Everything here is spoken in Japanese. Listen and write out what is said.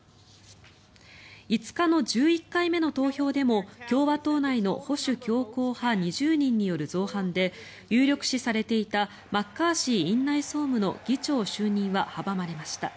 ５日の１１回目の投票でも共和党内の保守強硬派２０人による造反で有力視されていたマッカーシー院内総務の議長就任は阻まれました。